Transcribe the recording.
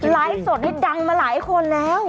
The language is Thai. ไลฟ์สดนี่ดังมาหลายคนแล้ว